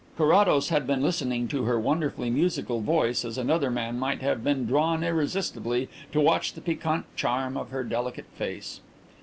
Carrados had been listening to her wonderfully musical voice as another man might have been drawn irresistibly to watch the piquant charm of her delicate face.